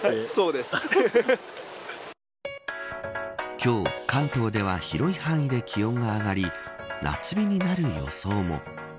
今日、関東では広い範囲で気温が上がり夏日になる予想も。